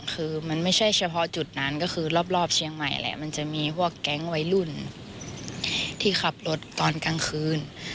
คือมันไม่ใช่เฉพาะจุดนั้นก็คือรอบเชียงใหม่แหละมันจะมีพวกแก๊งวัยรุ่นที่ขับรถตอนกลางคืน